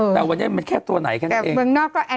แต่วันนี้มันแค่ตัวไหนแค่นั้นเอง